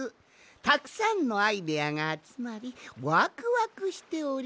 たくさんのアイデアがあつまりワクワクしております！